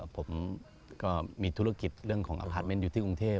ผมก็มีธุรกิจเรื่องของอพาร์ทเมนต์อยู่ที่กรุงเทพ